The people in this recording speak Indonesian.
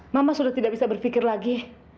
mama sudah tidak bisa berpikir lagi